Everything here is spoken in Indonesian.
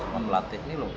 semua melatih nih loh